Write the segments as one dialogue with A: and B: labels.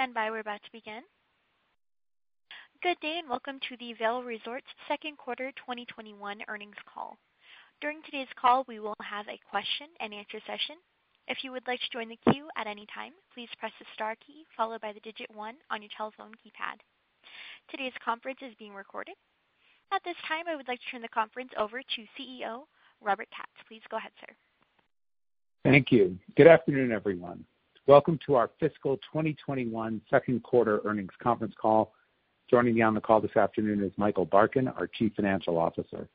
A: Please stand by, we're about to begin. Good day and welcome to the Vail Resorts second quarter 2021 earnings call. During today's call, we will have a question and answer session. If you would like to join the queue at any time, please press the star key followed by the digit one on your telephone keypad. Today's conference is being recorded. At this time, I would like to turn the conference over to CEO Robert Katz. Please go ahead, sir.
B: Thank you. Good afternoon, everyone. Welcome to our fiscal 2021 second quarter earnings conference call. Joining me on the call this afternoon is Michael Barkin, our Chief Financial Officer.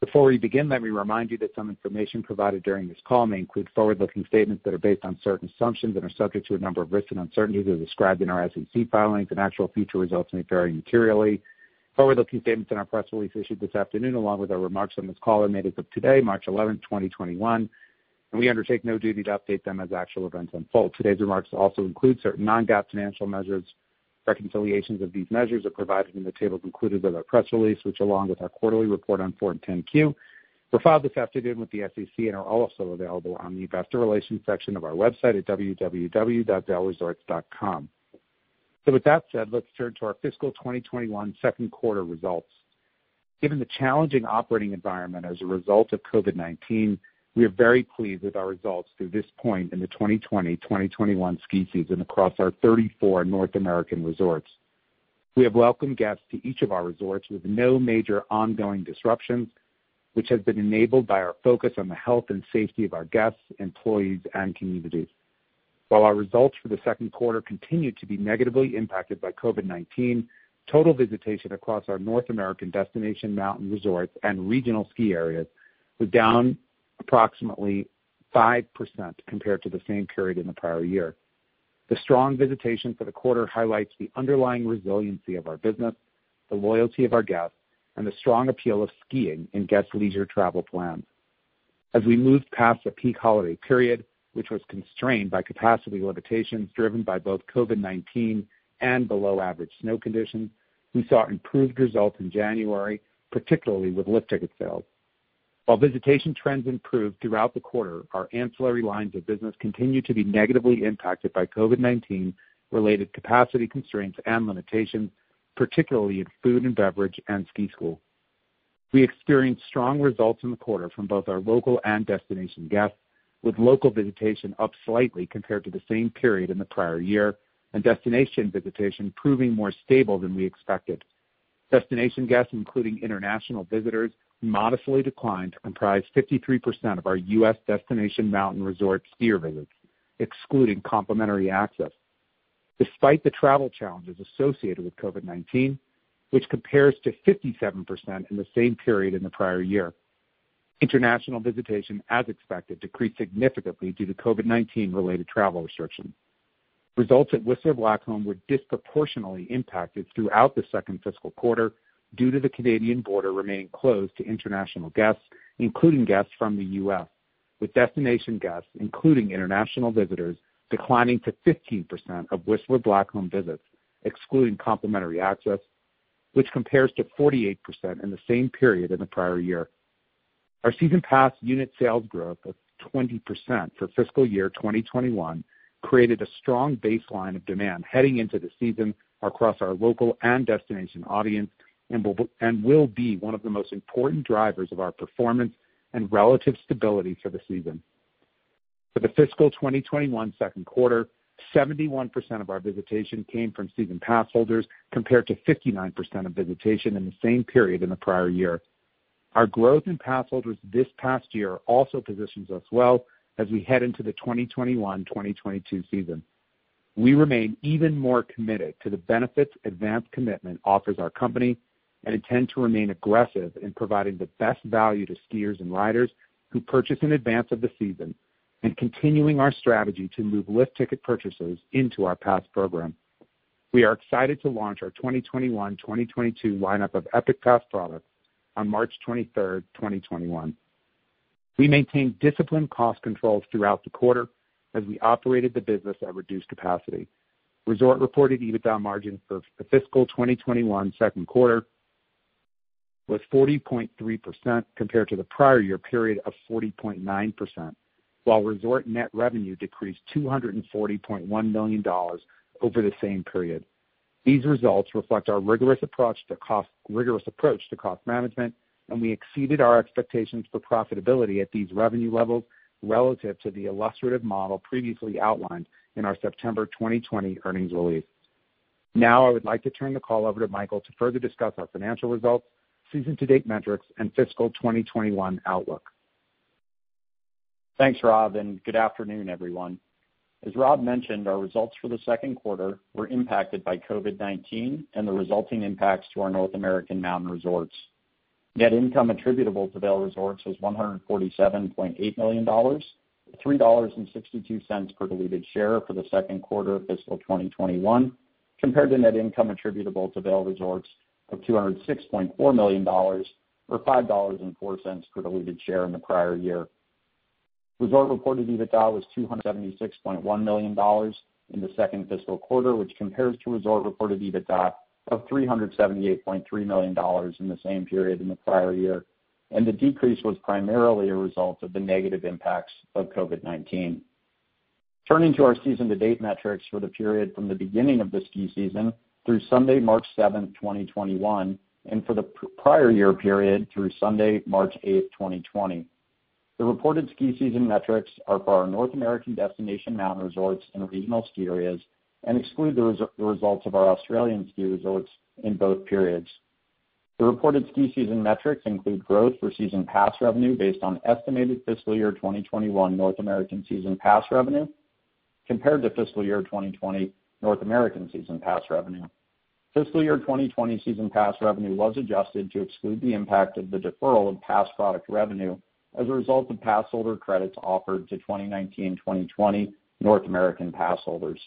B: Before we begin, let me remind you that some information provided during this call may include forward-looking statements that are based on certain assumptions and are subject to a number of risks and uncertainties as described in our SEC filings, and actual future results may vary materially. Forward-looking statements in our press release issued this afternoon, along with our remarks on this call, are made as of today, March 11, 2021, and we undertake no duty to update them as actual events unfold. Today's remarks also include certain non-GAAP financial measures. Reconciliations of these measures are provided in the tables included with our press release, which, along with our quarterly report on Form 10-Q, were filed this afternoon with the SEC and are also available on the investor relations section of our website at www.vailresorts.com, so with that said, let's turn to our fiscal 2021 second quarter results. Given the challenging operating environment as a result of COVID-19, we are very pleased with our results to this point in the 2020-2021 ski season across our 34 North American resorts. We have welcomed guests to each of our resorts with no major ongoing disruptions, which has been enabled by our focus on the health and safety of our guests, employees, and communities. While our results for the second quarter continued to be negatively impacted by COVID-19, total visitation across our North American destination mountain resorts and regional ski areas was down approximately 5% compared to the same period in the prior year. The strong visitation for the quarter highlights the underlying resiliency of our business, the loyalty of our guests, and the strong appeal of skiing in guest leisure travel plans. As we moved past the peak holiday period, which was constrained by capacity limitations driven by both COVID-19 and below-average snow conditions, we saw improved results in January, particularly with lift ticket sales. While visitation trends improved throughout the quarter, our ancillary lines of business continued to be negatively impacted by COVID-19-related capacity constraints and limitations, particularly in food and beverage and ski school. We experienced strong results in the quarter from both our local and destination guests, with local visitation up slightly compared to the same period in the prior year, and destination visitation proving more stable than we expected. Destination guests, including international visitors, modestly declined to comprise 53% of our U.S. destination mountain resort skier visits, excluding complimentary access. Despite the travel challenges associated with COVID-19, which compares to 57% in the same period in the prior year, international visitation, as expected, decreased significantly due to COVID-19-related travel restrictions. Results at Whistler Blackcomb were disproportionately impacted throughout the second fiscal quarter due to the Canadian border remaining closed to international guests, including guests from the U.S., with destination guests, including international visitors, declining to 15% of Whistler Blackcomb visits, excluding complimentary access, which compares to 48% in the same period in the prior year. Our season pass unit sales growth of 20% for Fiscal Year 2021 created a strong baseline of demand heading into the season across our local and destination audience and will be one of the most important drivers of our performance and relative stability for the season. For the Fiscal Year 2021 second quarter, 71% of our visitation came from season pass holders compared to 59% of visitation in the same period in the prior year. Our growth in pass holders this past year also positions us well as we head into the 2021-2022 season. We remain even more committed to the benefits advanced commitment offers our company and intend to remain aggressive in providing the best value to skiers and riders who purchase in advance of the season and continuing our strategy to move lift ticket purchases into our pass program. We are excited to launch our 2021-2022 lineup of Epic Pass products on March 23, 2021. We maintained disciplined cost controls throughout the quarter as we operated the business at reduced capacity. Resort Reported EBITDA margin for the fiscal 2021 second quarter was 40.3% compared to the prior year period of 40.9%, while resort net revenue decreased $240.1 million over the same period. These results reflect our rigorous approach to cost management, and we exceeded our expectations for profitability at these revenue levels relative to the illustrative model previously outlined in our September 2020 earnings release. Now, I would like to turn the call over to Michael to further discuss our financial results, season-to-date metrics, and fiscal 2021 outlook.
C: Thanks, Rob, and good afternoon, everyone. As Rob mentioned, our results for the second quarter were impacted by COVID-19 and the resulting impacts to our North American mountain resorts. Net income attributable to Vail Resorts was $147.8 million, $3.62 per diluted share for the second quarter of fiscal 2021, compared to net income attributable to Vail Resorts of $206.4 million, or $5.04 per diluted share in the prior year. Resort Reported EBITDA was $276.1 million in the second fiscal quarter, which compares to Resort Reported EBITDA of $378.3 million in the same period in the prior year, and the decrease was primarily a result of the negative impacts of COVID-19. Turning to our season-to-date metrics for the period from the beginning of the ski season through Sunday, March 7, 2021, and for the prior year period through Sunday, March 8, 2020, the reported ski season metrics are for our North American destination mountain resorts and regional ski areas and exclude the results of our Australian ski resorts in both periods. The reported ski season metrics include growth for season pass revenue based on estimated fiscal year 2021 North American season pass revenue compared to fiscal year 2020 North American season pass revenue. Fiscal year 2020 season pass revenue was adjusted to exclude the impact of the deferral of pass product revenue as a result of pass holder credits offered to 2019-2020 North American pass holders.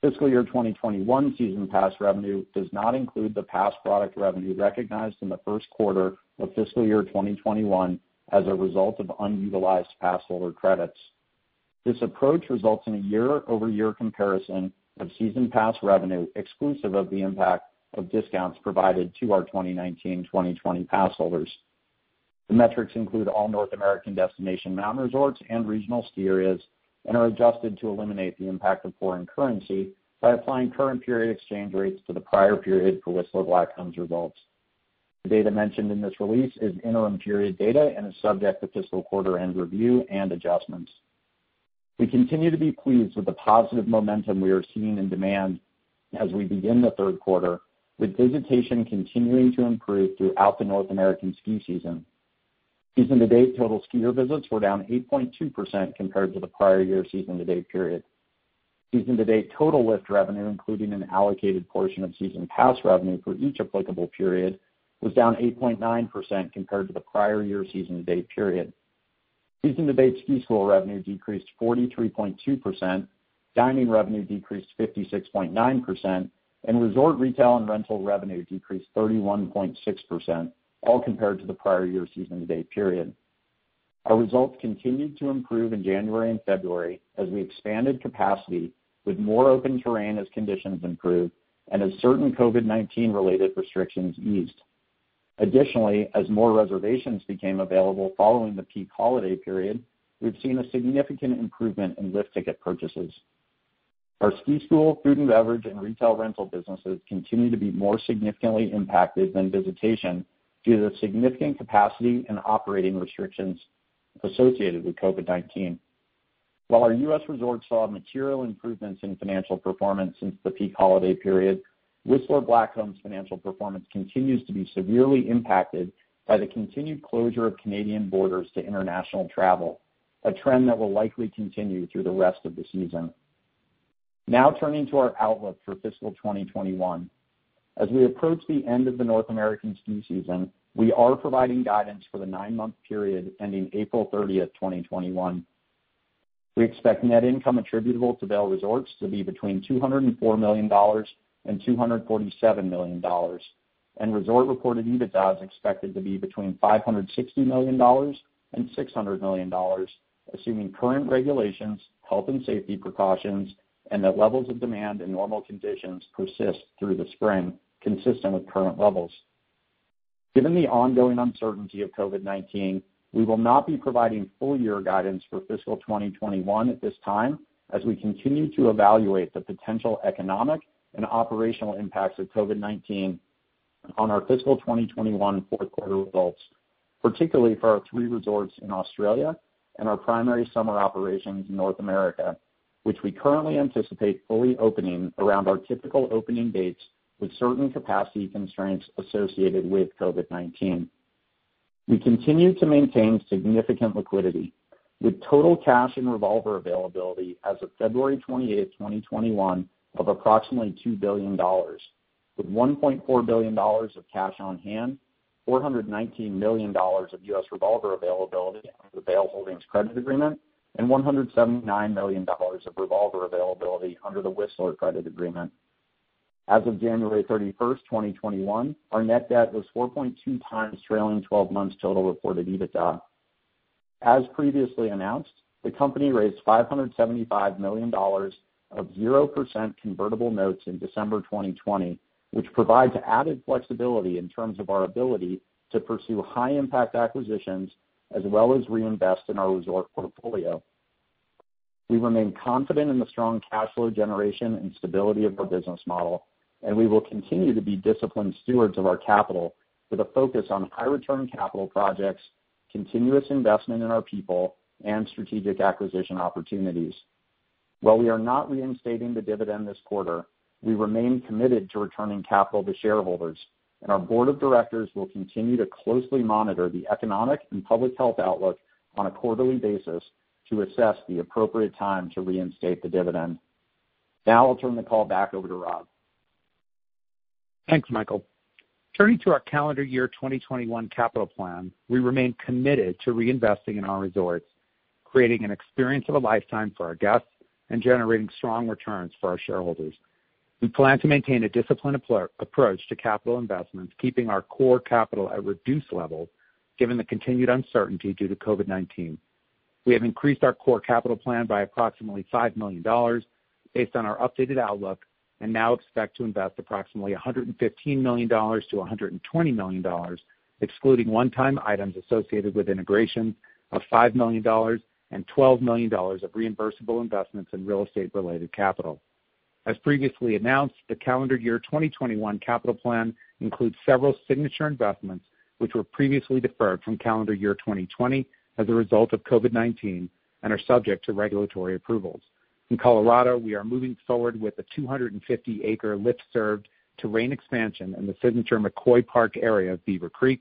C: Fiscal Year 2021 season pass revenue does not include the pass product revenue recognized in the first quarter of Fiscal Year 2021 as a result of unutilized pass holder credits. This approach results in a year-over-year comparison of season pass revenue exclusive of the impact of discounts provided to our 2019-2020 pass holders. The metrics include all North American destination mountain resorts and regional ski areas and are adjusted to eliminate the impact of foreign currency by applying current period exchange rates to the prior period for Whistler Blackcomb's results. The data mentioned in this release is interim period data and is subject to fiscal quarter-end review and adjustments. We continue to be pleased with the positive momentum we are seeing in demand as we begin the third quarter, with visitation continuing to improve throughout the North American ski season. Season-to-date total skier visits were down 8.2% compared to the prior year season-to-date period. Season-to-date total lift revenue, including an allocated portion of season pass revenue for each applicable period, was down 8.9% compared to the prior year season-to-date period. Season-to-date ski school revenue decreased 43.2%, dining revenue decreased 56.9%, and resort retail and rental revenue decreased 31.6%, all compared to the prior year season-to-date period. Our results continued to improve in January and February as we expanded capacity with more open terrain as conditions improved and as certain COVID-19-related restrictions eased. Additionally, as more reservations became available following the peak holiday period, we've seen a significant improvement in lift ticket purchases. Our ski school, food and beverage, and retail rental businesses continue to be more significantly impacted than visitation due to the significant capacity and operating restrictions associated with COVID-19. While our U.S. resorts saw material improvements in financial performance since the peak holiday period. Whistler Blackcomb's financial performance continues to be severely impacted by the continued closure of Canadian borders to international travel, a trend that will likely continue through the rest of the season. Now, turning to our outlook for fiscal 2021, as we approach the end of the North American ski season, we are providing guidance for the nine-month period ending April 30, 2021. We expect net income attributable to Vail Resorts to be between $204 million and $247 million, and Resort Reported EBITDA is expected to be between $560 million and $600 million, assuming current regulations, health and safety precautions, and that levels of demand in normal conditions persist through the spring, consistent with current levels. Given the ongoing uncertainty of COVID-19, we will not be providing full-year guidance for fiscal 2021 at this time as we continue to evaluate the potential economic and operational impacts of COVID-19 on our fiscal 2021 fourth quarter results, particularly for our three resorts in Australia and our primary summer operations in North America, which we currently anticipate fully opening around our typical opening dates with certain capacity constraints associated with COVID-19. We continue to maintain significant liquidity, with total cash and revolver availability as of February 28, 2021, of approximately $2 billion, with $1.4 billion of cash on hand, $419 million of U.S. revolver availability under the Vail Holdings credit agreement, and $179 million of revolver availability under the Whistler credit agreement. As of January 31, 2021, our net debt was 4.2 times trailing 12 months total reported EBITDA. As previously announced, the company raised $575 million of 0% convertible notes in December 2020, which provides added flexibility in terms of our ability to pursue high-impact acquisitions as well as reinvest in our resort portfolio. We remain confident in the strong cash flow generation and stability of our business model, and we will continue to be disciplined stewards of our capital with a focus on high-return capital projects, continuous investment in our people, and strategic acquisition opportunities. While we are not reinstating the dividend this quarter, we remain committed to returning capital to shareholders, and our board of directors will continue to closely monitor the economic and public health outlook on a quarterly basis to assess the appropriate time to reinstate the dividend. Now, I'll turn the call back over to Rob.
B: Thanks, Michael. Turning to our calendar year 2021 capital plan, we remain committed to reinvesting in our resorts, creating an experience of a lifetime for our guests, and generating strong returns for our shareholders. We plan to maintain a disciplined approach to capital investments, keeping our core capital at reduced levels given the continued uncertainty due to COVID-19. We have increased our core capital plan by approximately $5 million based on our updated outlook and now expect to invest approximately $115 million-$120 million, excluding one-time items associated with integrations, of $5 million and $12 million of reimbursable investments in real estate-related capital. As previously announced, the calendar year 2021 capital plan includes several signature investments, which were previously deferred from calendar year 2020 as a result of COVID-19 and are subject to regulatory approvals. In Colorado, we are moving forward with a 250-acre lift-served terrain expansion in the signature McCoy Park area of Beaver Creek,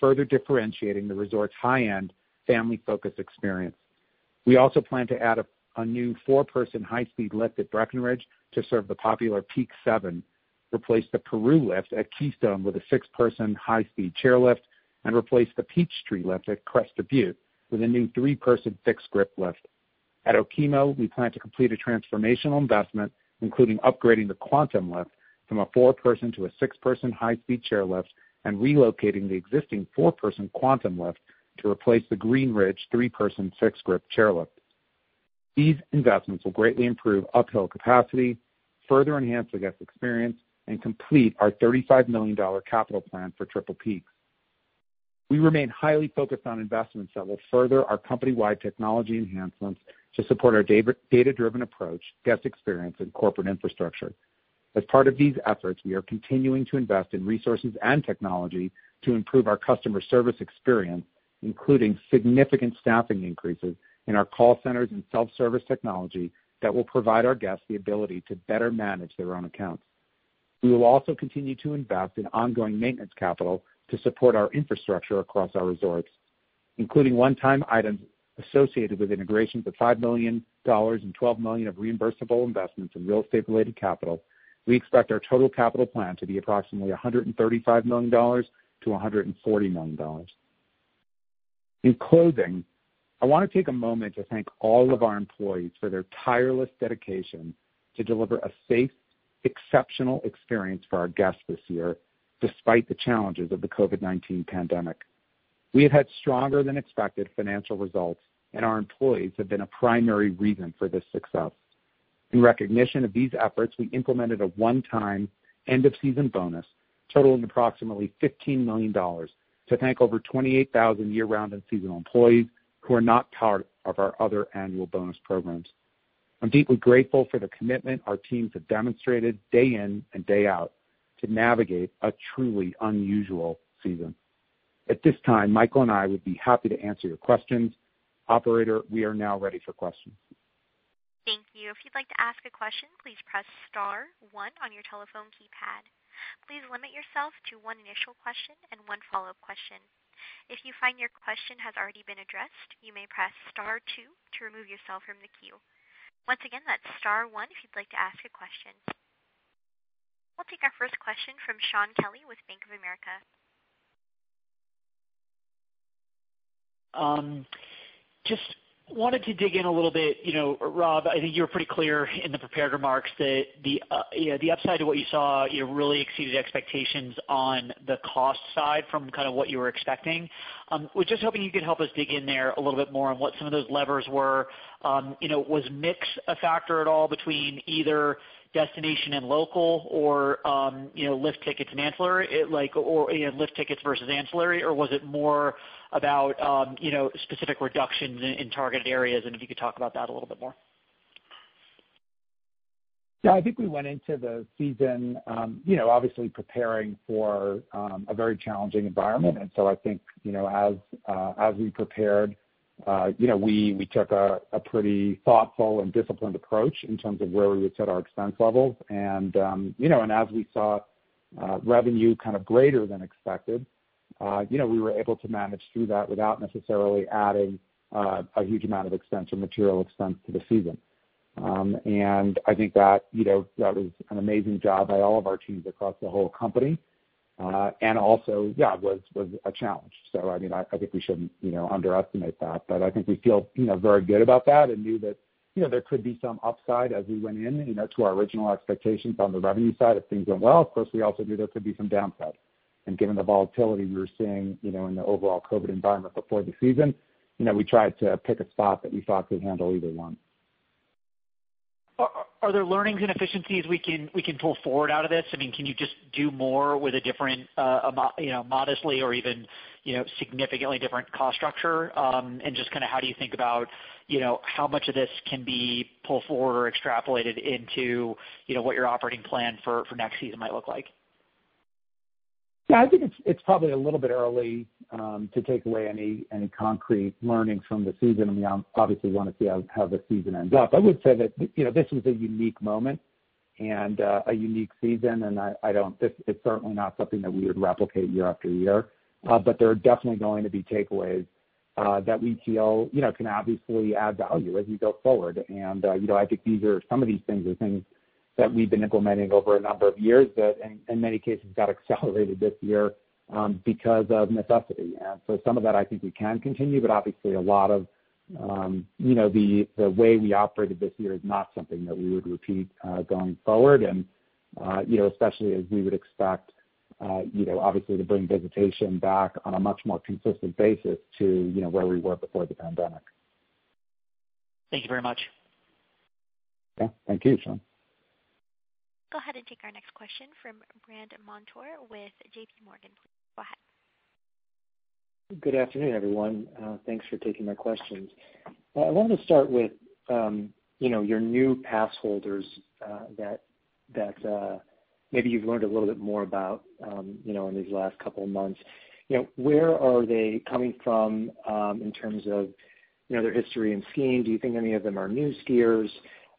B: further differentiating the resort's high-end family-focused experience. We also plan to add a new four-person high-speed lift at Breckenridge to serve the popular Peak 7, replace the Peru lift at Keystone with a six-person high-speed chair lift, and replace the Peachtree lift at Crested Butte with a new three-person fixed grip lift. At Okemo, we plan to complete a transformational investment, including upgrading the Quantum lift from a four-person to a six-person high-speed chair lift and relocating the existing four-person Quantum lift to replace the Green Ridge three-person fixed grip chair lift. These investments will greatly improve uphill capacity, further enhance the guest experience, and complete our $35 million capital plan for Triple Peaks. We remain highly focused on investments that will further our company-wide technology enhancements to support our data-driven approach, guest experience, and corporate infrastructure. As part of these efforts, we are continuing to invest in resources and technology to improve our customer service experience, including significant staffing increases in our call centers and self-service technology that will provide our guests the ability to better manage their own accounts. We will also continue to invest in ongoing maintenance capital to support our infrastructure across our resorts. Including one-time items associated with integrations of $5 million and $12 million of reimbursable investments in real estate-related capital, we expect our total capital plan to be approximately $135 million to $140 million. In closing, I want to take a moment to thank all of our employees for their tireless dedication to deliver a safe, exceptional experience for our guests this year, despite the challenges of the COVID-19 pandemic. We have had stronger-than-expected financial results, and our employees have been a primary reason for this success. In recognition of these efforts, we implemented a one-time end-of-season bonus totaling approximately $15 million to thank over 28,000 year-round and seasonal employees who are not part of our other annual bonus programs. I'm deeply grateful for the commitment our teams have demonstrated day in and day out to navigate a truly unusual season. At this time, Michael and I would be happy to answer your questions. Operator, we are now ready for questions.
A: Thank you. If you'd like to ask a question, please press Star 1 on your telephone keypad. Please limit yourself to one initial question and one follow-up question. If you find your question has already been addressed, you may press Star 2 to remove yourself from the queue. Once again, that's Star 1 if you'd like to ask a question. We'll take our first question from Shaun Kelley with Bank of America.
D: Just wanted to dig in a little bit. Rob, I think you were pretty clear in the prepared remarks that the upside to what you saw really exceeded expectations on the cost side from kind of what you were expecting. We're just hoping you could help us dig in there a little bit more on what some of those levers were. Was mix a factor at all between either destination and local or lift tickets and ancillary or lift tickets versus ancillary, or was it more about specific reductions in targeted areas? And if you could talk about that a little bit more.
B: Yeah, I think we went into the season obviously preparing for a very challenging environment. And so I think as we prepared, we took a pretty thoughtful and disciplined approach in terms of where we would set our expense levels. And as we saw revenue kind of greater than expected, we were able to manage through that without necessarily adding a huge amount of expense or material expense to the season. And I think that was an amazing job by all of our teams across the whole company and also, yeah, was a challenge. So I mean, I think we shouldn't underestimate that. But I think we feel very good about that and knew that there could be some upside as we went into our original expectations on the revenue side if things went well. Of course, we also knew there could be some downside. Given the volatility we were seeing in the overall COVID environment before the season, we tried to pick a spot that we thought could handle either one.
D: Are there learnings and efficiencies we can pull forward out of this? I mean, can you just do more with a different, modestly or even significantly different cost structure? And just kind of how do you think about how much of this can be pulled forward or extrapolated into what your operating plan for next season might look like?
B: Yeah, I think it's probably a little bit early to take away any concrete learnings from the season. I mean, obviously, we want to see how the season ends up. I would say that this was a unique moment and a unique season, and it's certainly not something that we would replicate year after year. But there are definitely going to be takeaways that we feel can obviously add value as we go forward. And I think some of these things are things that we've been implementing over a number of years that, in many cases, got accelerated this year because of necessity. And so some of that, I think, we can continue, but obviously, a lot of the way we operated this year is not something that we would repeat going forward, and especially as we would expect, obviously, to bring visitation back on a much more consistent basis to where we were before the pandemic.
D: Thank you very much.
B: Yeah, thank you, Shaun.
A: Go ahead and take our next question from Brandt Montour with JPMorgan. Please go ahead.
E: Good afternoon, everyone. Thanks for taking my questions. I wanted to start with your new passholders that maybe you've learned a little bit more about in these last couple of months. Where are they coming from in terms of their history and skiing? Do you think any of them are new skiers?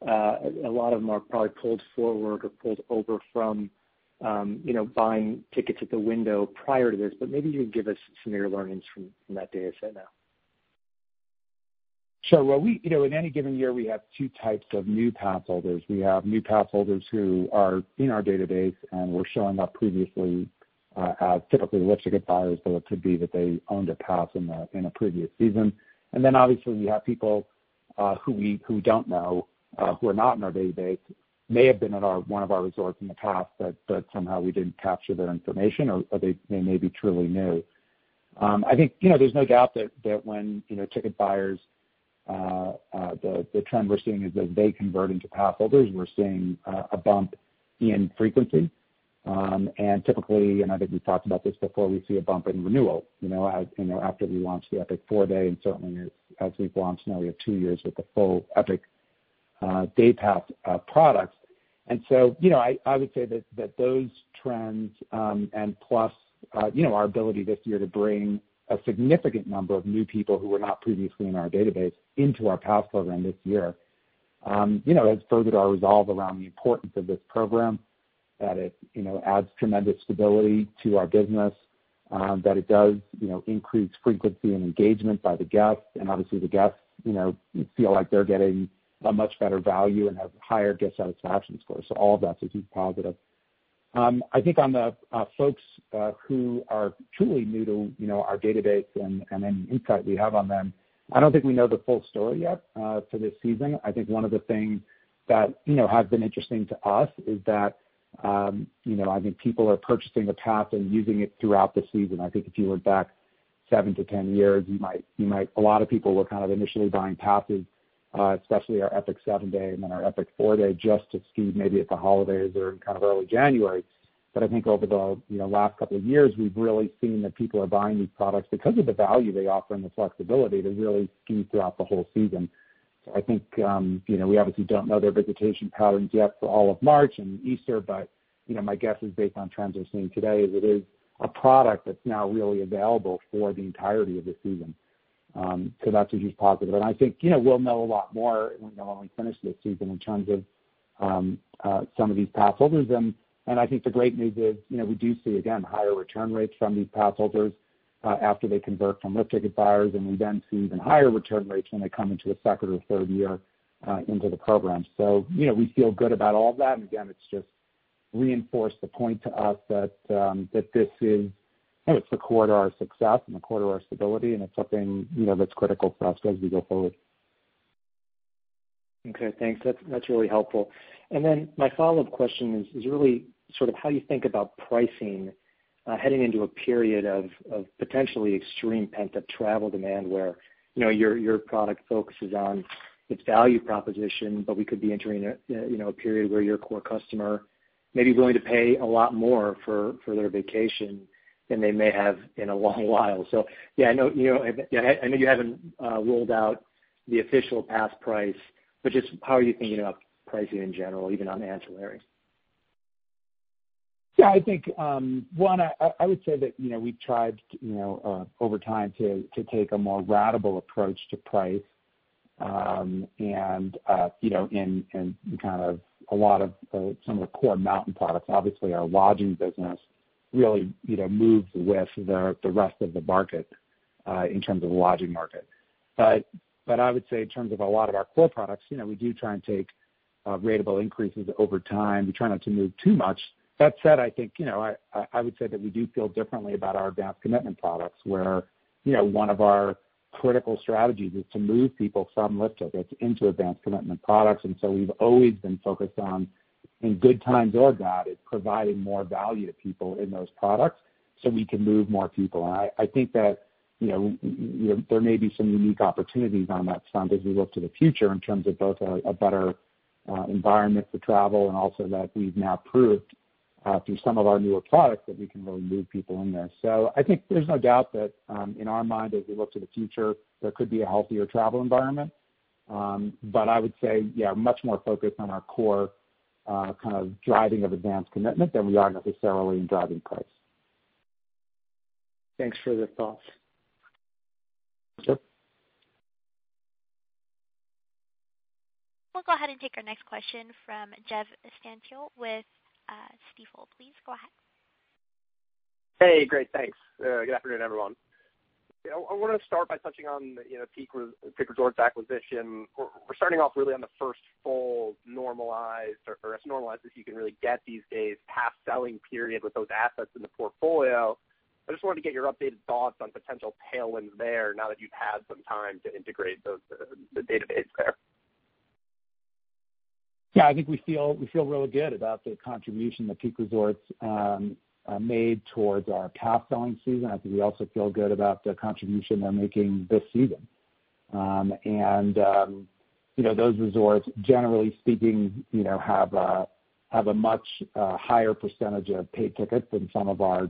E: A lot of them are probably pulled forward or pulled over from buying tickets at the window prior to this, but maybe you can give us some of your learnings from that data set now.
B: Sure, well, in any given year, we have two types of new passholders. We have new passholders who are in our database, and who have shown up previously as typically lift ticket buyers, but it could be that they owned a pass in a previous season, and then, obviously, we have people who we don't know who are not in our database, may have been at one of our resorts in the past, but somehow we didn't capture their information, or they may be truly new. I think there's no doubt that when ticket buyers, the trend we're seeing is as they convert into passholders, we're seeing a bump in frequency, and typically, and I think we've talked about this before, we see a bump in renewal after we launched the Epic 4-Day, and certainly, as we've launched, now we have two years with the full Epic Day Pass products. And so I would say that those trends and plus our ability this year to bring a significant number of new people who were not previously in our database into our pass program this year has furthered our resolve around the importance of this program, that it adds tremendous stability to our business, that it does increase frequency and engagement by the guests. And obviously, the guests feel like they're getting a much better value and have higher guest satisfaction scores. So all of that's a huge positive. I think on the folks who are truly new to our database and any insight we have on them, I don't think we know the full story yet for this season. I think one of the things that has been interesting to us is that I think people are purchasing the pass and using it throughout the season. I think if you went back seven to 10 years, a lot of people were kind of initially buying passes, especially our Epic 7-Day and then our Epic 4-Day, just to ski maybe at the holidays or in kind of early January. But I think over the last couple of years, we've really seen that people are buying these products because of the value they offer and the flexibility to really ski throughout the whole season. So I think we obviously don't know their visitation patterns yet for all of March and Easter, but my guess is based on trends we're seeing today is it is a product that's now really available for the entirety of the season. So that's a huge positive. And I think we'll know a lot more when we finish this season in terms of some of these passholders. And I think the great news is we do see, again, higher return rates from these passholders after they convert from lift ticket buyers, and we then see even higher return rates when they come into a second or third year into the program. So we feel good about all of that. And again, it's just reinforced the point to us that this is a quarter of our success and a quarter of our stability, and it's something that's critical for us as we go forward.
E: Okay. Thanks. That's really helpful. And then my follow-up question is really sort of how you think about pricing heading into a period of potentially extreme pent-up travel demand where your product focuses on its value proposition, but we could be entering a period where your core customer may be willing to pay a lot more for their vacation than they may have in a long while. So yeah, I know you haven't ruled out the official pass price, but just how are you thinking about pricing in general, even on ancillary?
B: Yeah, I think, one, I would say that we've tried over time to take a more ratable approach to price. And in kind of a lot of some of the core mountain products, obviously, our lodging business really moves with the rest of the market in terms of the lodging market. But I would say in terms of a lot of our core products, we do try and take ratable increases over time. We try not to move too much. That said, I think I would say that we do feel differently about our advanced commitment products where one of our critical strategies is to move people from lift tickets into advanced commitment products. And so we've always been focused on, in good times or bad, providing more value to people in those products so we can move more people. And I think that there may be some unique opportunities on that front as we look to the future in terms of both a better environment for travel and also that we've now proved through some of our newer products that we can really move people in there. So I think there's no doubt that in our mind, as we look to the future, there could be a healthier travel environment. But I would say, yeah, much more focused on our core kind of driving of advanced commitment than we are necessarily in driving price.
E: Thanks for the thoughts.
A: We'll go ahead and take our next question from Jeff Stantial with Stifel. Please go ahead.
F: Hey, great. Thanks. Good afternoon, everyone. I want to start by touching on Peak Resorts' acquisition. We're starting off really on the first full normalized, or as normalized as you can really get these days, pass-selling period with those assets in the portfolio. I just wanted to get your updated thoughts on potential tailwinds there now that you've had some time to integrate the database there.
B: Yeah, I think we feel really good about the contribution that Peak Resorts made towards our pass-selling season. I think we also feel good about the contribution they're making this season, and those resorts, generally speaking, have a much higher percentage of paid tickets than some of our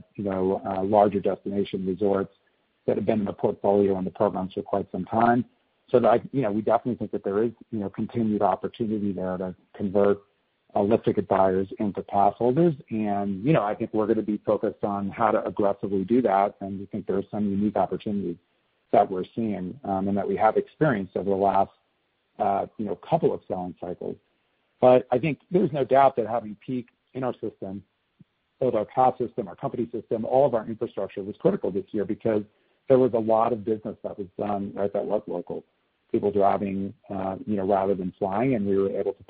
B: larger destination resorts that have been in the portfolio and the program for quite some time, so we definitely think that there is continued opportunity there to convert lift ticket buyers into passholders, and I think we're going to be focused on how to aggressively do that, and we think there are some unique opportunities that we're seeing and that we have experienced over the last couple of selling cycles. But I think there's no doubt that having Peak in our system, both our pass system, our company system, all of our infrastructure was critical this year because there was a lot of business that was done at that local people driving rather than flying. And we were able to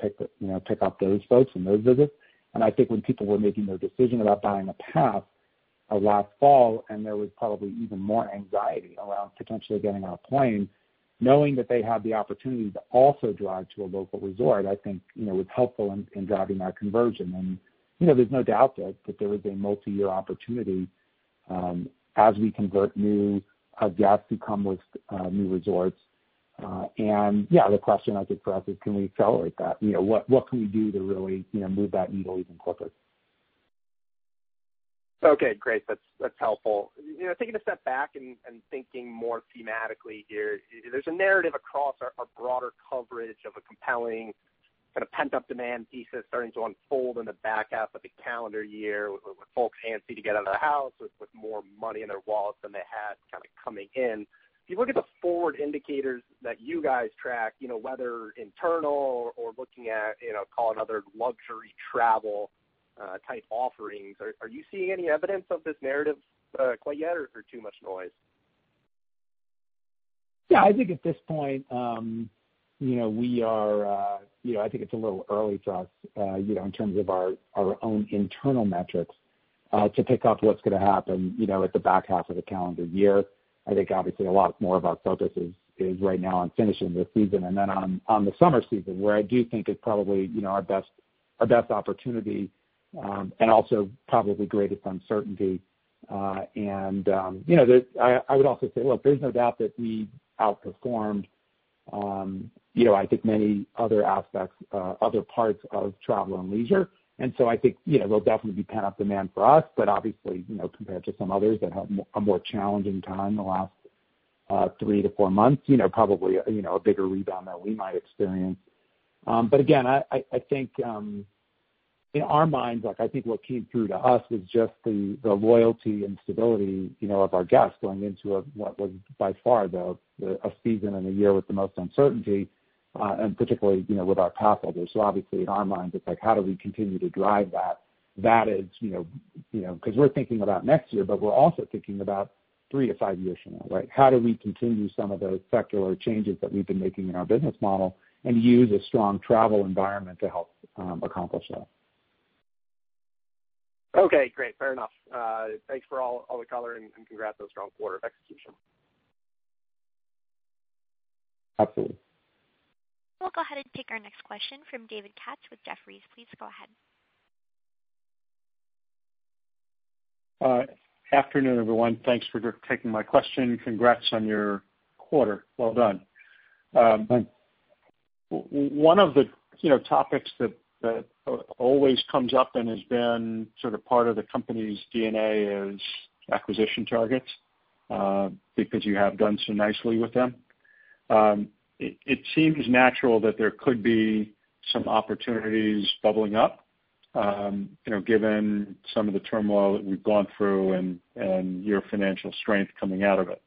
B: pick up those folks and those visits. And I think when people were making their decision about buying a pass last fall, and there was probably even more anxiety around potentially getting on a plane, knowing that they had the opportunity to also drive to a local resort, I think was helpful in driving that conversion. And there's no doubt that there is a multi-year opportunity as we convert new guests who come with new resorts. And yeah, the question I think for us is, can we accelerate that? What can we do to really move that needle even quicker?
F: Okay. Great. That's helpful. Taking a step back and thinking more thematically here, there's a narrative across our broader coverage of a compelling kind of pent-up demand thesis starting to unfold in the back half of the calendar year with folks antsy to get out of the house with more money in their wallets than they had kind of coming in. If you look at the forward indicators that you guys track, whether internal or looking at, call it, other luxury travel-type offerings, are you seeing any evidence of this narrative quite yet, or is there too much noise?
B: Yeah, I think at this point, we are. I think it's a little early for us in terms of our own internal metrics to pick up what's going to happen at the back half of the calendar year. I think, obviously, a lot more of our focus is right now on finishing this season and then on the summer season, where I do think is probably our best opportunity and also probably greatest uncertainty, and I would also say, look, there's no doubt that we outperformed, I think, many other aspects, other parts of travel and leisure, and so I think there'll definitely be pent-up demand for us, but obviously, compared to some others that have a more challenging time in the last three to four months, probably a bigger rebound than we might experience. But again, I think in our minds, I think what came through to us was just the loyalty and stability of our guests going into what was by far the season and the year with the most uncertainty, and particularly with our passholders. So obviously, in our minds, it's like, how do we continue to drive that? That is because we're thinking about next year, but we're also thinking about three to five years from now, right? How do we continue some of those secular changes that we've been making in our business model and use a strong travel environment to help accomplish that?
F: Okay. Great. Fair enough. Thanks for all the color and congrats on a strong quarter of execution.
B: Absolutely.
A: We'll go ahead and take our next question from David Katz with Jefferies. Please go ahead.
G: Afternoon, everyone. Thanks for taking my question. Congrats on your quarter. Well done.
B: Thanks.
G: One of the topics that always comes up and has been sort of part of the company's DNA is acquisition targets because you have done so nicely with them. It seems natural that there could be some opportunities bubbling up given some of the turmoil that we've gone through and your financial strength coming out of it.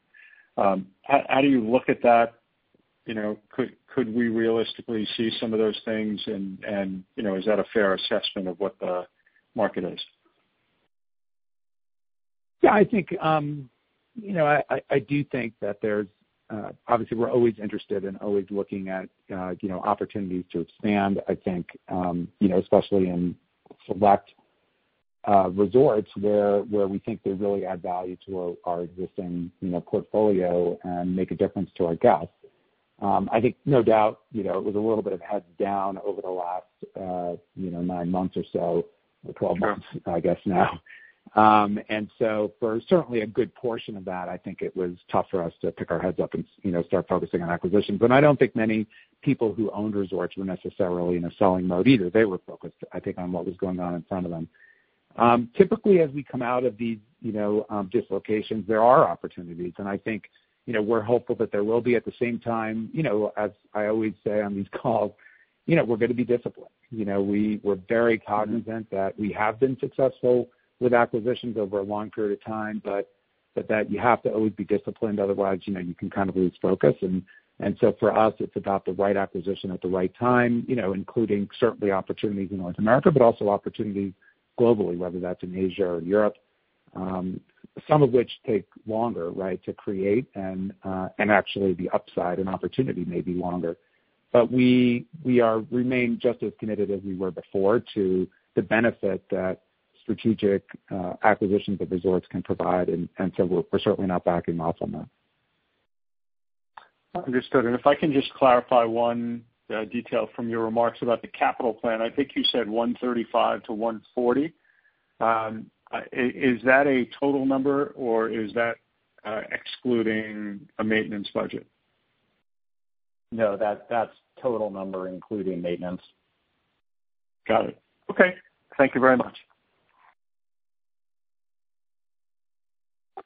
G: How do you look at that? Could we realistically see some of those things, and is that a fair assessment of what the market is?
B: Yeah, I think I do think that there's obviously we're always interested in always looking at opportunities to expand, I think, especially in select resorts where we think they really add value to our existing portfolio and make a difference to our guests. I think no doubt it was a little bit of heads down over the last nine months or so, or 12 months, I guess, now, and so for certainly a good portion of that, I think it was tough for us to pick our heads up and start focusing on acquisitions, but I don't think many people who owned resorts were necessarily in a selling mode either. They were focused, I think, on what was going on in front of them. Typically, as we come out of these dislocations, there are opportunities, and I think we're hopeful that there will be. At the same time, as I always say on these calls, we're going to be disciplined. We're very cognizant that we have been successful with acquisitions over a long period of time, but that you have to always be disciplined. Otherwise, you can kind of lose focus, and so for us, it's about the right acquisition at the right time, including certainly opportunities in North America, but also opportunities globally, whether that's in Asia or Europe, some of which take longer, right, to create. And actually, the upside and opportunity may be longer, but we remain just as committed as we were before to the benefit that strategic acquisitions of resorts can provide, and so we're certainly not backing off on that.
G: Understood. And if I can just clarify one detail from your remarks about the capital plan, I think you said 135 to 140. Is that a total number, or is that excluding a maintenance budget?
B: No, that's total number including maintenance.
G: Got it. Okay. Thank you very much.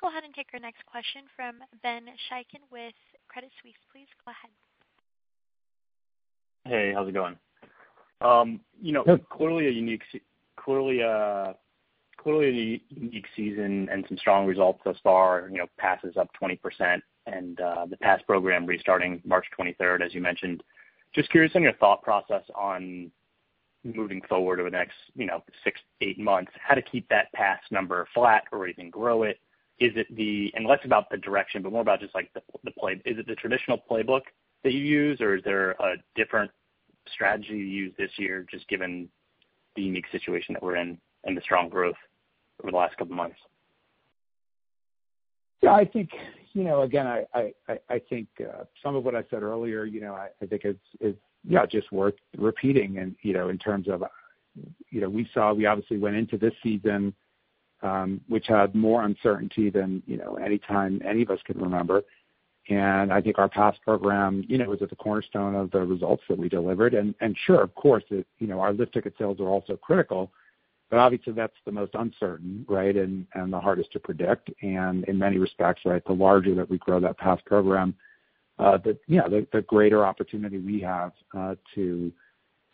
A: We'll go ahead and take your next question from Ben Chaiken with Credit Suisse. Please go ahead.
H: Hey, how's it going? Clearly a unique season and some strong results thus far. Pass is up 20%, and the pass program restarting March 23rd, as you mentioned. Just curious on your thought process on moving forward over the next six, eight months, how to keep that pass number flat or even grow it. And less about the direction, but more about just the playbook. Is it the traditional playbook that you use, or is there a different strategy you use this year just given the unique situation that we're in and the strong growth over the last couple of months?
B: Yeah, I think, again, I think some of what I said earlier, I think it's just worth repeating in terms of we saw we obviously went into this season, which had more uncertainty than any time any of us could remember. I think our pass program was at the cornerstone of the results that we delivered. Sure, of course, our lift ticket sales are also critical, but obviously, that's the most uncertain, right, and the hardest to predict. And in many respects, right, the larger that we grow that pass program, the greater opportunity we have to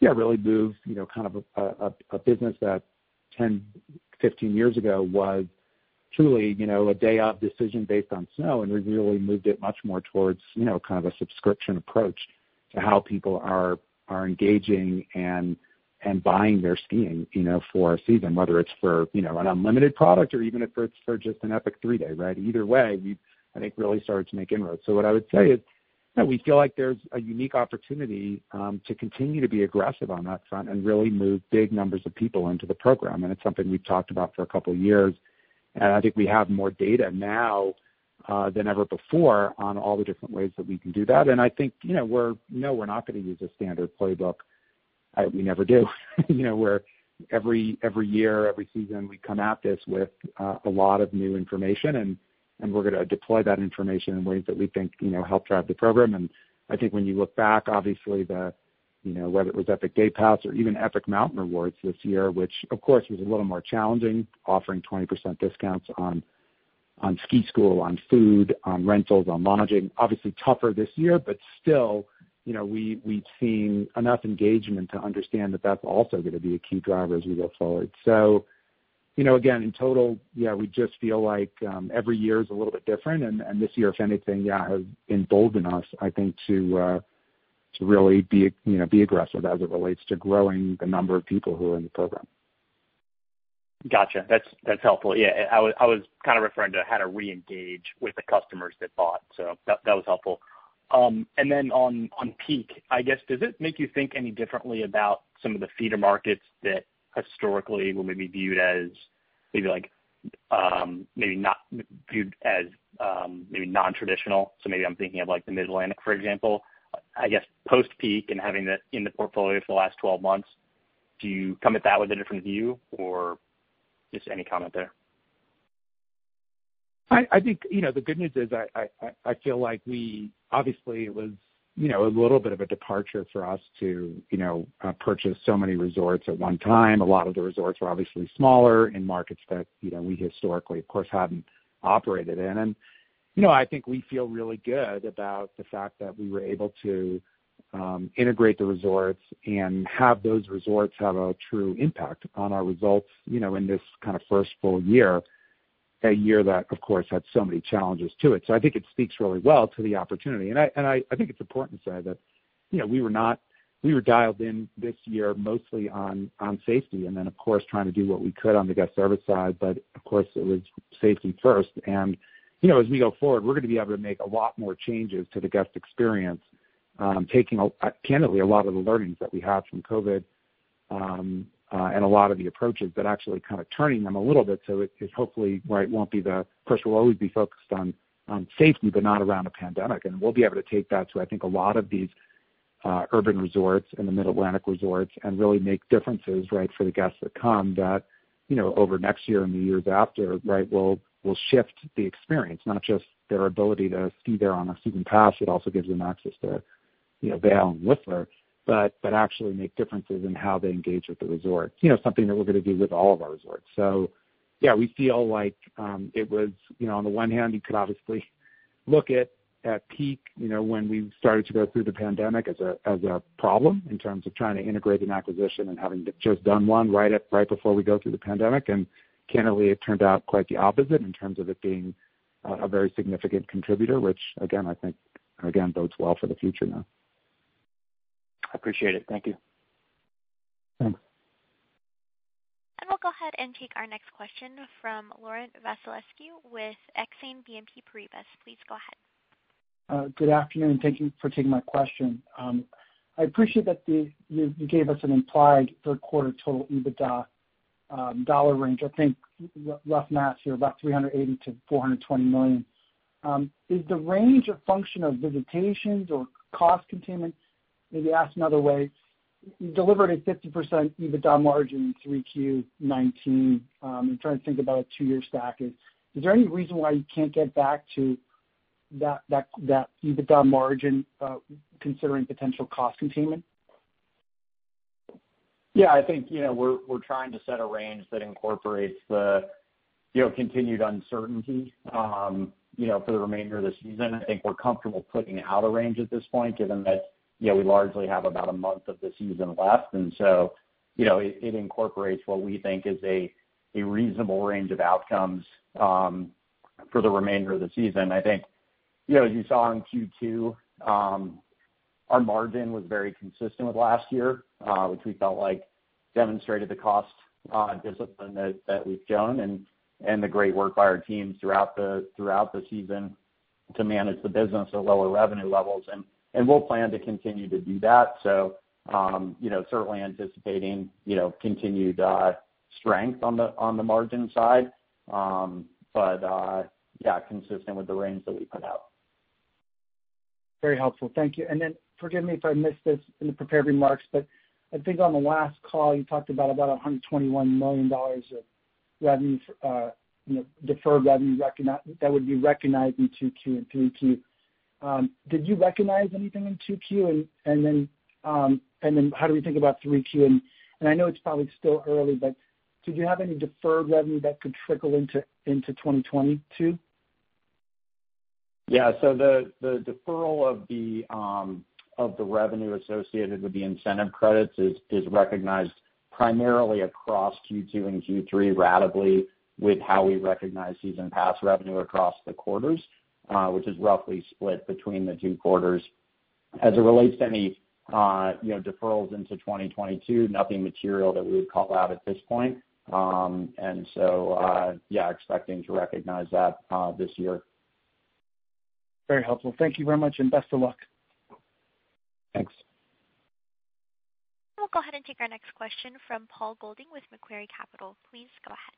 B: really move kind of a business that 10, 15 years ago was truly a day-of decision based on snow, and we really moved it much more towards kind of a subscription approach to how people are engaging and buying their skiing for our season, whether it's for an unlimited product or even if it's for just an Epic 3-Day, right? Either way, I think really started to make inroads. So what I would say is we feel like there's a unique opportunity to continue to be aggressive on that front and really move big numbers of people into the program. And it's something we've talked about for a couple of years. And I think we have more data now than ever before on all the different ways that we can do that. And I think we're no, we're not going to use a standard playbook. We never do. Every year, every season, we come at this with a lot of new information, and we're going to deploy that information in ways that we think help drive the program. And I think when you look back, obviously, whether it was Epic Day Pass or even Epic Mountain Rewards this year, which, of course, was a little more challenging, offering 20% discounts on ski school, on food, on rentals, on lodging, obviously tougher this year, but still, we've seen enough engagement to understand that that's also going to be a key driver as we go forward. So again, in total, yeah, we just feel like every year is a little bit different. And this year, if anything, yeah, has emboldened us, I think, to really be aggressive as it relates to growing the number of people who are in the program.
H: Gotcha. That's helpful. Yeah. I was kind of referring to how to re-engage with the customers that bought. So that was helpful. And then on Peak, I guess, does it make you think any differently about some of the feeder markets that historically were maybe viewed as maybe not viewed as maybe non-traditional? So maybe I'm thinking of the Mid-Atlantic, for example. I guess post-Peak and having that in the portfolio for the last 12 months, do you come at that with a different view or just any comment there?
B: I think the good news is I feel like we, obviously, it was a little bit of a departure for us to purchase so many resorts at one time. A lot of the resorts were obviously smaller in markets that we historically, of course, hadn't operated in. And I think we feel really good about the fact that we were able to integrate the resorts and have those resorts have a true impact on our results in this kind of first full year, a year that, of course, had so many challenges to it. So I think it speaks really well to the opportunity. And I think it's important to say that we were dialed in this year mostly on safety and then, of course, trying to do what we could on the guest service side. But of course, it was safety first. As we go forward, we're going to be able to make a lot more changes to the guest experience, taking candidly a lot of the learnings that we have from COVID and a lot of the approaches, but actually kind of turning them a little bit so it hopefully, right, won't be the first. We'll always be focused on safety, but not around a pandemic. We'll be able to take that to, I think, a lot of these urban resorts and the Mid-Atlantic resorts and really make differences, right, for the guests that come that over next year and the years after, right. Will shift the experience, not just their ability to ski there on a season pass. It also gives them access to Vail and Whistler, but actually make differences in how they engage with the resort, something that we're going to do with all of our resorts. So yeah, we feel like it was on the one hand, you could obviously look at Peak when we started to go through the pandemic as a problem in terms of trying to integrate an acquisition and having just done one right before we go through the pandemic. And candidly, it turned out quite the opposite in terms of it being a very significant contributor, which, again, I think, again, bodes well for the future now.
H: I appreciate it. Thank you.
B: Thanks.
A: We'll go ahead and take our next question from Laurent Vasilescu with Exane BNP Paribas. Please go ahead.
I: Good afternoon. Thank you for taking my question. I appreciate that you gave us an implied third-quarter total EBITDA dollar range. I think rough math here, about $380 million-$420 million. Is the range a function of visitations or cost containment? Maybe ask another way. You delivered a 50% EBITDA margin in 3Q19. I'm trying to think about a two-year stack. Is there any reason why you can't get back to that EBITDA margin considering potential cost containment?
B: Yeah, I think we're trying to set a range that incorporates the continued uncertainty for the remainder of the season. I think we're comfortable putting out a range at this point, given that we largely have about a month of the season left. And so it incorporates what we think is a reasonable range of outcomes for the remainder of the season. I think, as you saw in Q2, our margin was very consistent with last year, which we felt like demonstrated the cost discipline that we've shown and the great work by our teams throughout the season to manage the business at lower revenue levels. And we'll plan to continue to do that. So certainly anticipating continued strength on the margin side, but yeah, consistent with the range that we put out.
I: Very helpful. Thank you. And then forgive me if I missed this in the prepared remarks, but I think on the last call, you talked about $121 million of deferred revenue that would be recognized in Q2 and Q3. Did you recognize anything in Q2? And then how do we think about Q3? And I know it's probably still early, but did you have any deferred revenue that could trickle into 2022?
B: Yeah. So the deferral of the revenue associated with the incentive credits is recognized primarily across Q2 and Q3, ratably with how we recognize season pass revenue across the quarters, which is roughly split between the two quarters. As it relates to any deferrals into 2022, nothing material that we would call out at this point. And so yeah, expecting to recognize that this year.
I: Very helpful. Thank you very much and best of luck.
B: Thanks.
A: We'll go ahead and take our next question from Paul Golding with Macquarie Capital. Please go ahead.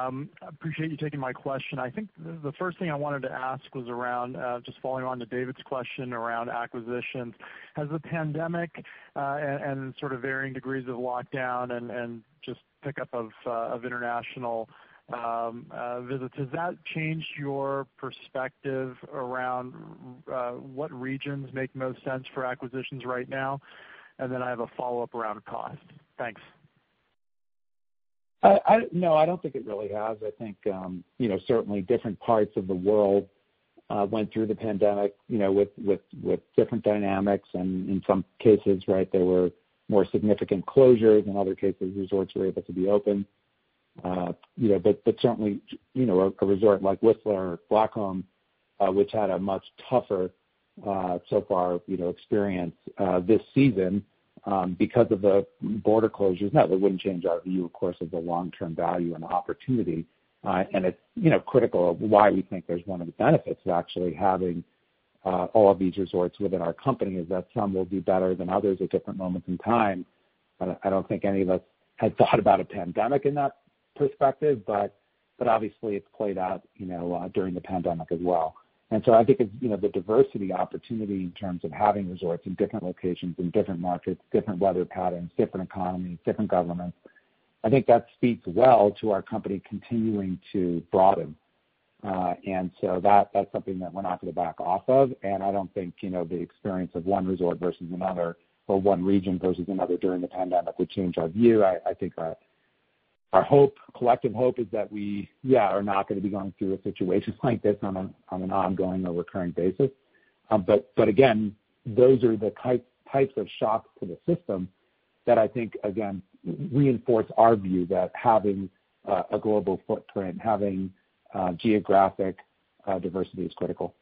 J: I appreciate you taking my question. I think the first thing I wanted to ask was around just following on to David's question around acquisitions. Has the pandemic and sort of varying degrees of lockdown and just pickup of international visits, has that changed your perspective around what regions make most sense for acquisitions right now? And then I have a follow-up around costs. Thanks.
B: No, I don't think it really has. I think certainly different parts of the world went through the pandemic with different dynamics. And in some cases, right, there were more significant closures. In other cases, resorts were able to be open. But certainly, a resort like Whistler or Blackcomb, which had a much tougher so far experience this season because of the border closures, no, it wouldn't change our view, of course, of the long-term value and opportunity. And it's critical of why we think there's one of the benefits of actually having all of these resorts within our company is that some will be better than others at different moments in time. I don't think any of us had thought about a pandemic in that perspective, but obviously, it's played out during the pandemic as well. And so I think the diversity opportunity in terms of having resorts in different locations in different markets, different weather patterns, different economies, different governments. I think that speaks well to our company continuing to broaden. And so that's something that we're not going to back off of. And I don't think the experience of one resort versus another or one region versus another during the pandemic would change our view. I think our hope, collective hope, is that we, yeah, are not going to be going through a situation like this on an ongoing or recurring basis. But again, those are the types of shocks to the system that I think, again, reinforce our view that having a global footprint, having geographic diversity is critical.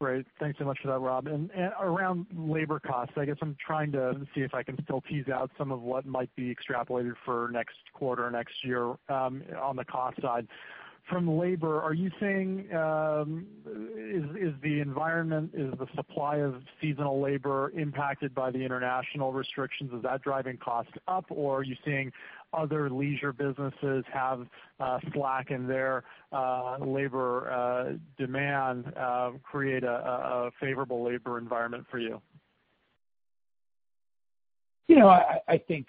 J: Great. Thanks so much for that, Rob. And around labor costs, I guess I'm trying to see if I can still tease out some of what might be extrapolated for next quarter or next year on the cost side. From labor, are you saying is the environment, is the supply of seasonal labor impacted by the international restrictions? Is that driving costs up, or are you seeing other leisure businesses have slack in their labor demand create a favorable labor environment for you?
B: I think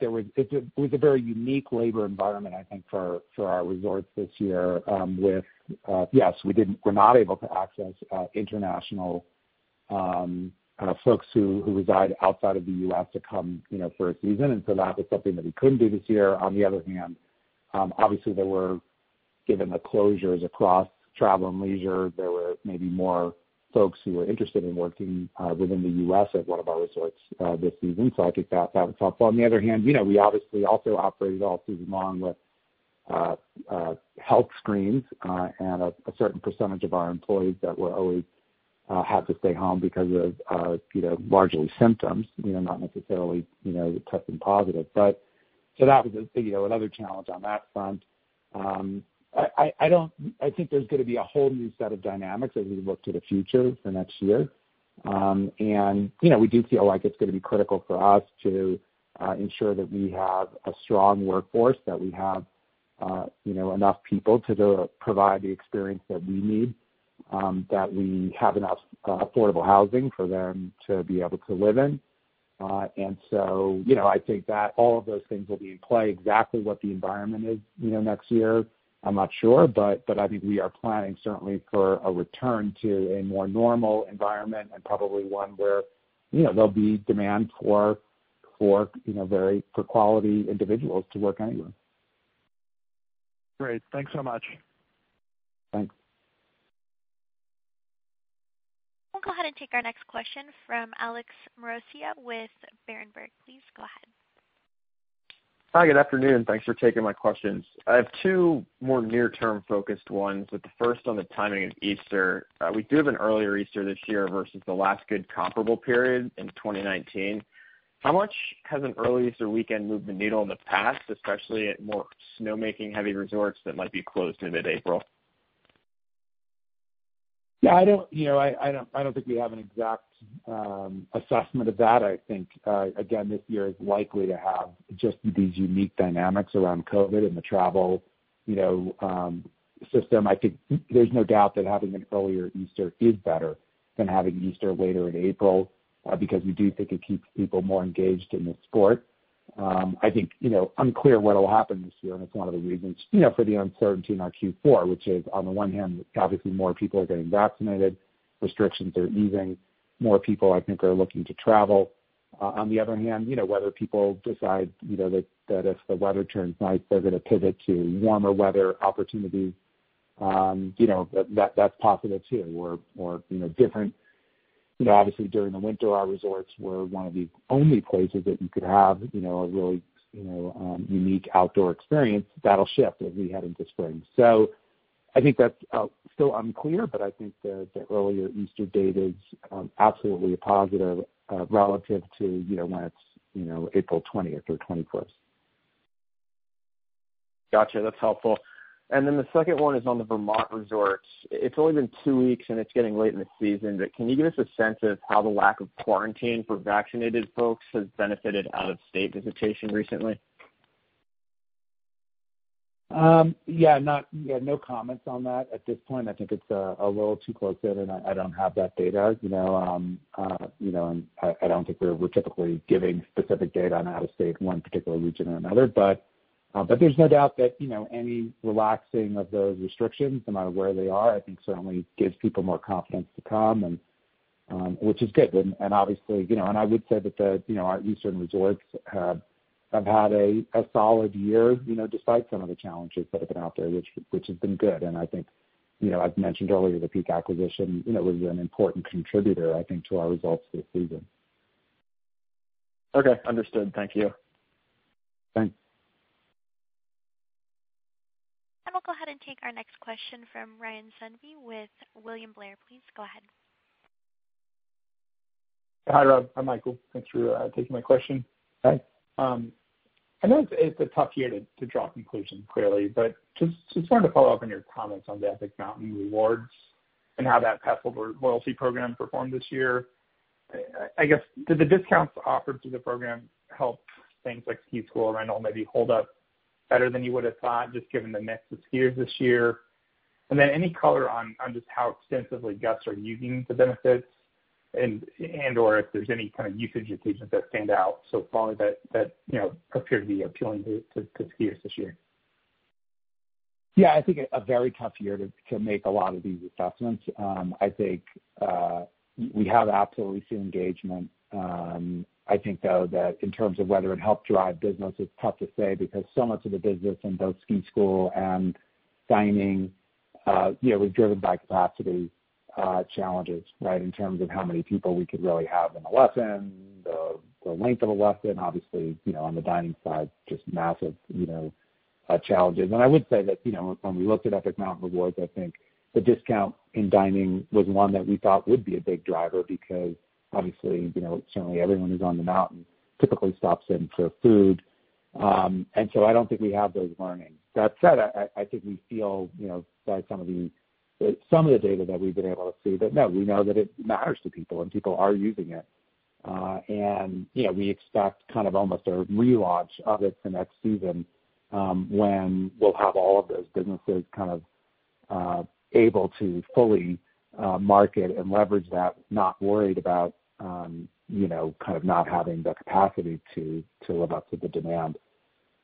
B: there was a very unique labor environment, I think, for our resorts this year with, yes, we're not able to access international folks who reside outside of the U.S. to come for a season, and so that was something that we couldn't do this year. On the other hand, obviously, there were, given the closures across travel and leisure, there were maybe more folks who were interested in working within the U.S. at one of our resorts this season, so I think that was helpful. On the other hand, we obviously also operated all season long with health screens and a certain percentage of our employees that were always had to stay home because of largely symptoms, not necessarily testing positive, but so that was another challenge on that front. I think there's going to be a whole new set of dynamics as we look to the future for next year. And we do feel like it's going to be critical for us to ensure that we have a strong workforce, that we have enough people to provide the experience that we need, that we have enough affordable housing for them to be able to live in. And so I think that all of those things will be in play. Exactly what the environment is next year, I'm not sure, but I think we are planning certainly for a return to a more normal environment and probably one where there'll be demand for quality individuals to work anywhere.
J: Great. Thanks so much.
B: Thanks.
A: We'll go ahead and take our next question from Alex Maroccia with Berenberg. Please go ahead.
K: Hi, good afternoon. Thanks for taking my questions. I have two more near-term focused ones, with the first on the timing of Easter. We do have an earlier Easter this year versus the last good comparable period in 2019. How much has an early Easter weekend moved the needle in the past, especially at more snowmaking-heavy resorts that might be closed in mid-April?
B: Yeah, I don't think we have an exact assessment of that. I think, again, this year is likely to have just these unique dynamics around COVID and the travel system. I think there's no doubt that having an earlier Easter is better than having Easter later in April because we do think it keeps people more engaged in the sport. I think unclear what will happen this year, and it's one of the reasons for the uncertainty in our Q4, which is, on the one hand, obviously, more people are getting vaccinated. Restrictions are easing. More people, I think, are looking to travel. On the other hand, whether people decide that if the weather turns nice, they're going to pivot to warmer weather opportunities, that's possible too. Or different, obviously, during the winter, our resorts were one of the only places that you could have a really unique outdoor experience. That'll shift as we head into spring. So I think that's still unclear, but I think the earlier Easter date is absolutely a positive relative to when it's April 20th or 21st.
K: Gotcha. That's helpful. And then the second one is on the Vermont resorts. It's only been two weeks, and it's getting late in the season. But can you give us a sense of how the lack of quarantine for vaccinated folks has benefited out-of-state visitation recently?
B: Yeah, no comments on that at this point. I think it's a little too close, and I don't have that data, and I don't think we're typically giving specific data on out-of-state one particular region or another, but there's no doubt that any relaxing of those restrictions, no matter where they are, I think certainly gives people more confidence to come, which is good, and obviously, and I would say that our Eastern resorts have had a solid year despite some of the challenges that have been out there, which has been good, and I think I've mentioned earlier the Peak acquisition was an important contributor, I think, to our results this season.
K: Okay. Understood. Thank you.
B: Thanks.
A: We'll go ahead and take our next question from Ryan Sundby with William Blair. Please go ahead.
L: Hi, Rob. Hi, Michael. Thanks for taking my question. Thanks. I know it's a tough year to draw conclusions, clearly, but just wanted to follow up on your comments on the Epic Mountain Rewards and how that pass product loyalty program performed this year. I guess, did the discounts offered through the program help things like ski school rental maybe hold up better than you would have thought, just given the mix of skiers this year? And then any color on just how extensively guests are using the benefits and/or if there's any kind of usage occasions that stand out so far that appear to be appealing to skiers this year?
B: Yeah, I think a very tough year to make a lot of these assessments. I think we have absolutely seen engagement. I think, though, that in terms of whether it helped drive business, it's tough to say because so much of the business in both ski school and dining was driven by capacity challenges, right, in terms of how many people we could really have in a lesson, the length of a lesson. Obviously, on the dining side, just massive challenges, and I would say that when we looked at Epic Mountain Rewards, I think the discount in dining was one that we thought would be a big driver because, obviously, certainly everyone who's on the mountain typically stops in for food, and so I don't think we have those learnings. That said, I think we feel by some of the data that we've been able to see that, no, we know that it matters to people, and people are using it. And we expect kind of almost a relaunch of it for next season when we'll have all of those businesses kind of able to fully market and leverage that, not worried about kind of not having the capacity to live up to the demand.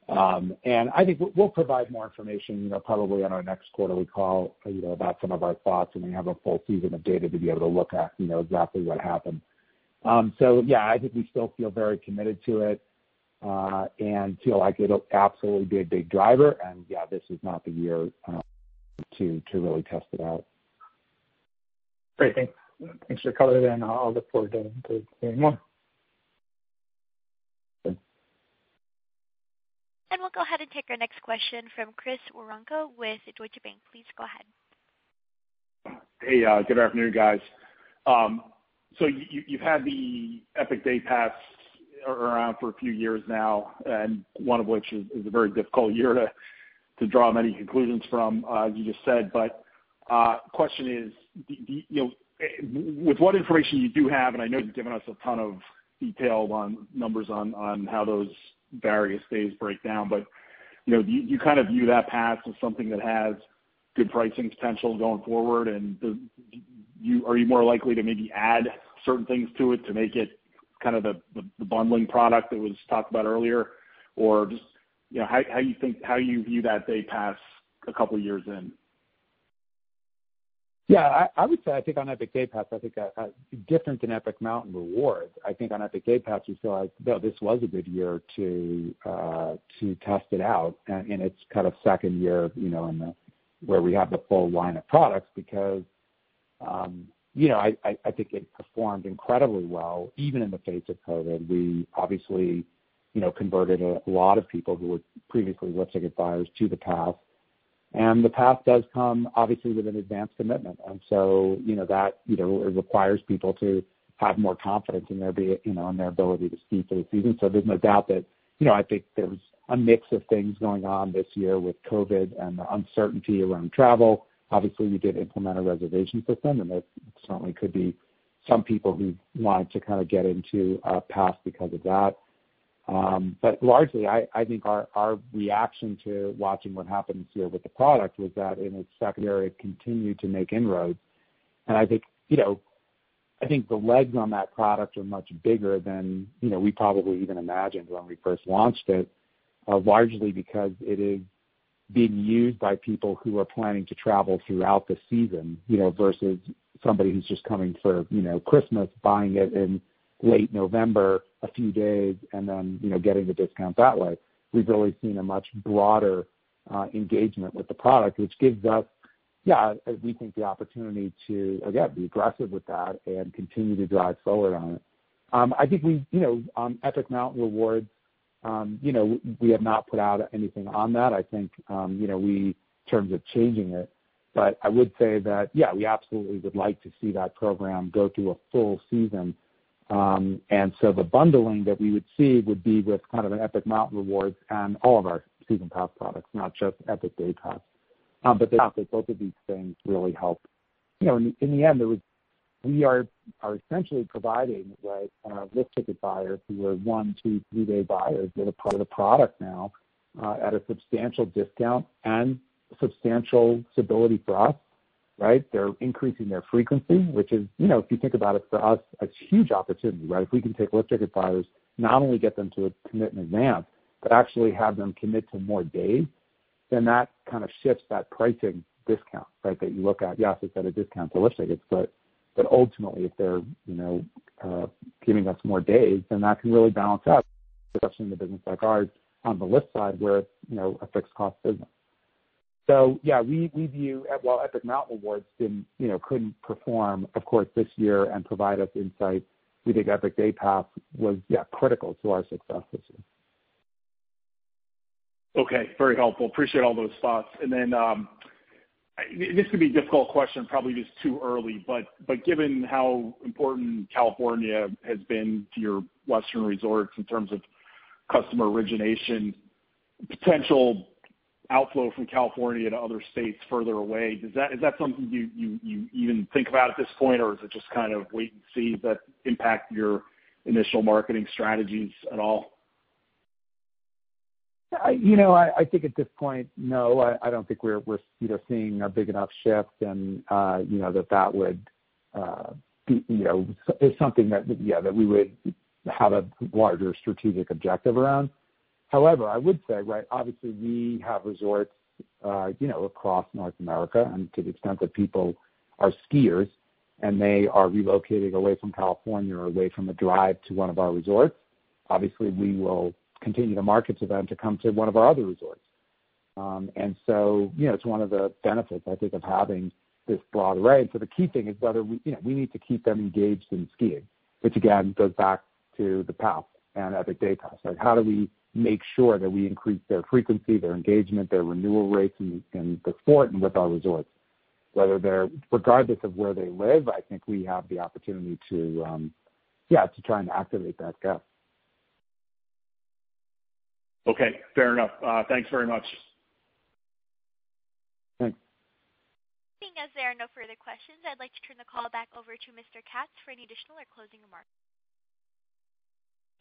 B: And I think we'll provide more information probably on our next quarterly call about some of our thoughts, and we have a full season of data to be able to look at exactly what happened. So yeah, I think we still feel very committed to it and feel like it'll absolutely be a big driver. And yeah, this is not the year to really test it out.
L: Great. Thanks for covering that. I'll look forward to hearing more.
A: We'll go ahead and take our next question from Chris Woronka with Deutsche Bank. Please go ahead.
M: Hey, good afternoon, guys. So you've had the Epic Day Pass around for a few years now, and one of which is a very difficult year to draw many conclusions from, as you just said. But the question is, with what information you do have, and I know you've given us a ton of detail on numbers on how those various days break down, but do you kind of view that pass as something that has good pricing potential going forward? And are you more likely to maybe add certain things to it to make it kind of the bundling product that was talked about earlier? Or just how do you think how you view that day pass a couple of years in?
B: Yeah, I would say I think on Epic Day Pass, I think different than Epic Mountain Rewards, I think on Epic Day Pass, you feel like, no, this was a good year to test it out. And it's kind of second year where we have the full line of products because I think it performed incredibly well even in the face of COVID. We obviously converted a lot of people who were previously lift tickets buyers to the pass. And the pass does come, obviously, with an advanced commitment. And so that requires people to have more confidence in their ability to ski for the season. So there's no doubt that I think there's a mix of things going on this year with COVID and the uncertainty around travel. Obviously, we did implement a reservation system, and there certainly could be some people who wanted to kind of get into a pass because of that. But largely, I think our reaction to watching what happened this year with the product was that in its secondary, it continued to make inroads, and I think the legs on that product are much bigger than we probably even imagined when we first launched it, largely because it is being used by people who are planning to travel throughout the season versus somebody who's just coming for Christmas, buying it in late November a few days, and then getting the discounts that way. We've really seen a much broader engagement with the product, which gives us, yeah, we think the opportunity to, again, be aggressive with that and continue to drive forward on it. I think on Epic Mountain Rewards, we have not put out anything on that. I think in terms of changing it. But I would say that, yeah, we absolutely would like to see that program go through a full season, and so the bundling that we would see would be with kind of an Epic Mountain Rewards and all of our season pass products, not just Epic Day Pass. But note that both of these things really help. In the end, we are essentially providing lift ticket buyers who are one, two, three-day buyers with a product now at a substantial discount and substantial stability for us, right? They're increasing their frequency, which is, if you think about it, for us, a huge opportunity, right? If we can take lift ticket buyers, not only get them to commit in advance, but actually have them commit to more days, then that kind of shifts that pricing discount, right, that you look at. Yes, it's at a discount to lift tickets, but ultimately, if they're giving us more days, then that can really balance out, especially in a business like ours on the lift side where it's a fixed-cost business. So yeah, we view, while Epic Mountain Rewards couldn't perform, of course, this year and provide us insight, we think Epic Day Pass was, yeah, critical to our success this year.
M: Okay. Very helpful. Appreciate all those thoughts. And then this could be a difficult question, probably just too early, but given how important California has been to your western resorts in terms of customer origination, potential outflow from California to other states further away, is that something you even think about at this point, or is it just kind of wait and see that impact your initial marketing strategies at all?
B: I think at this point, no. I don't think we're seeing a big enough shift that that would be something that, yeah, that we would have a larger strategic objective around. However, I would say, right, obviously, we have resorts across North America, and to the extent that people are skiers and they are relocating away from California or away from the drive to one of our resorts, obviously, we will continue to market to them to come to one of our other resorts. And so it's one of the benefits, I think, of having this broad array. And so the key thing is whether we need to keep them engaged in skiing, which, again, goes back to the pass and Epic Day Pass. How do we make sure that we increase their frequency, their engagement, their renewal rates in the sport and with our resorts? Regardless of where they live, I think we have the opportunity to, yeah, to try and activate that gap.
M: Okay. Fair enough. Thanks very much.
B: Thanks.
A: I think, as there are no further questions, I'd like to turn the call back over to Mr. Katz for any additional or closing remarks.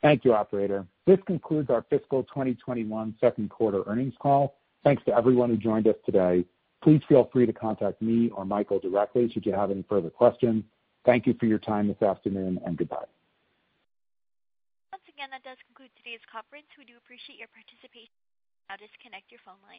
B: Thank you, operator. This concludes our fiscal 2021 second quarter earnings call. Thanks to everyone who joined us today. Please feel free to contact me or Michael directly should you have any further questions. Thank you for your time this afternoon, and goodbye.
A: Once again, that does conclude today's conference. We do appreciate your participation. Now, just disconnect your phone line.